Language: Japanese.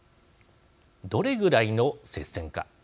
どれぐらいの接戦か。